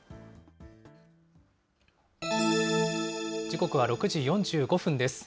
時刻は６時４５分です。